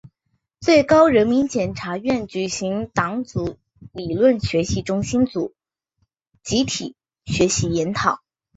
最高人民检察院举行党组理论学习中心组集体学习研讨